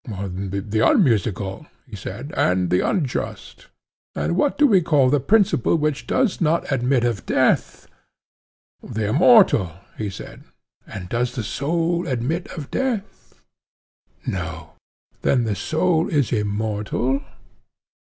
The unmusical, he said, and the unjust. And what do we call the principle which does not admit of death? The immortal, he said. And does the soul admit of death? No. Then the soul is immortal?